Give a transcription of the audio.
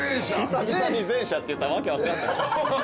久々に前者って言ったら訳分かんない。